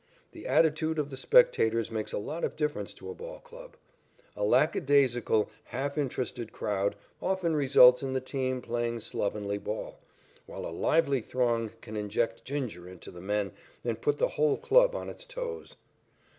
The attitude of the spectators makes a lot of difference to a ball club. A lackadaisical, half interested crowd often results in the team playing slovenly ball, while a lively throng can inject ginger into the men and put the whole club on its toes.